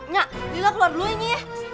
nyak lila keluar dulu ini ya